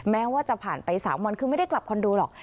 แม้ว่าจะผ่านไป๓วันคือไม่ได้กลับคอนโดหรอก